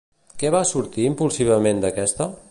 Què va sortir impulsivament d'aquesta?